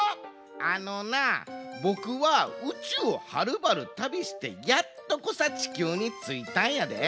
あのなボクはうちゅうをはるばるたびしてやっとこさ地球についたんやで。